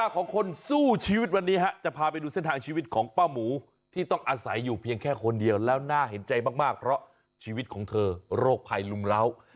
ของคนสู้ชีวิตวันนี้จะพาไปดูเส้นทางชีวิตของป้าหมูที่ต้องอาศัยอยู่เพียงแค่คนเดียวแล้วน่าเห็นใจมากเพราะชีวิตของเธอโรคภัยลุมเล้า